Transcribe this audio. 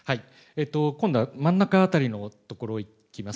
今度は真ん中辺りの所いきます。